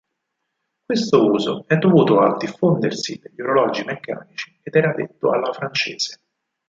Questo uso è dovuto al diffondersi degli orologi meccanici ed era detto "alla francese".